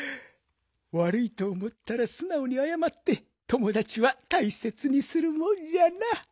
わるいとおもったらすなおにあやまってともだちはたいせつにするもんじゃな。